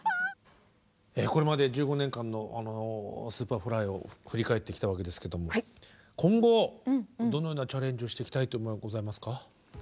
これまで１５年間のＳｕｐｅｒｆｌｙを振り返ってきたわけですけども今後どのようなチャレンジをしていきたいというのはございますか？